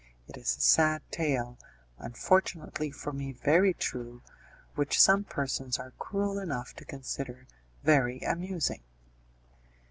It is a sad tale, unfortunately for me very true, which some persons are cruel enough to consider very amusing.